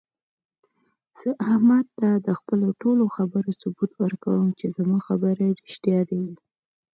زه احمد ته د خپلو ټولو خبرو ثبوت ورکوم، چې زما خبرې رښتیا دي.